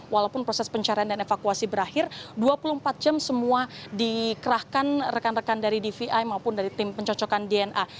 walaupun proses pencarian dan evakuasi berakhir dua puluh empat jam semua dikerahkan rekan rekan dari dvi maupun dari tim pencocokan dna